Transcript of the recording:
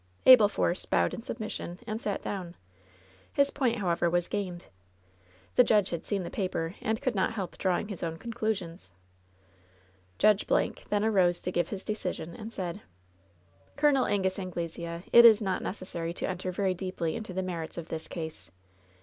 Abel Force bowed in submission and sat down. His point, however, was gained. The judge had seen the paper, and could not help drawing his own conclusions. Judge Blank then arose to give his decision, and said : "Col. Angus Anglesea, it is not necessary to enter very deeply into the merits of this case.